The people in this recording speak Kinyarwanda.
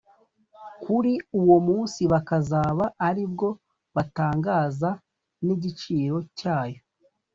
kuri uwo munsi bakazaba ari bwo batangaza ni igiciro cyayo